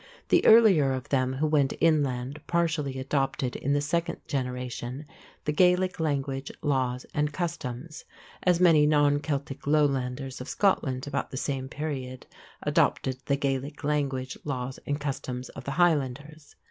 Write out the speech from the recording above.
The earlier of them who went inland partially adopted in the second generation the Gaelic language, laws, and customs; as many non Celtic Lowlanders of Scotland about the same period adopted the Gaelic language, laws, and customs of the Highlanders.